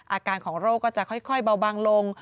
อาการของโรคก็จะค่อยเบาบางลง